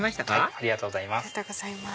ありがとうございます。